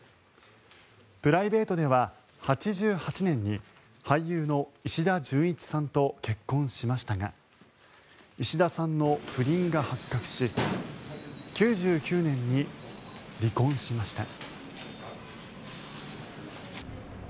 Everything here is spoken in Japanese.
プライベートでは８８年に俳優の石田純一さんと結婚しましたが石田さんの不倫が発覚し９９年に離婚しました。